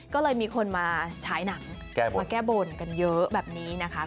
ก็เลยมีคนมาฉายหนังมาแก้บนกันเยอะแบบนี้นะคะ